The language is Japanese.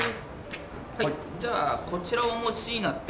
じゃあこちらをお持ちになって。